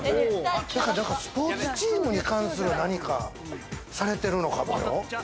スポーツチームに関する何かをされてるのかもよ。